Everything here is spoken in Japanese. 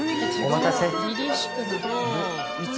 お待たせ。